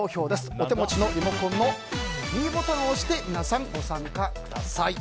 お手持ちのリモコンのｄボタンを押して皆さんご参加ください。